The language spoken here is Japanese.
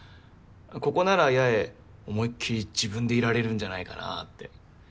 ここなら八重思いっ切り自分でいられるんじゃないかなって。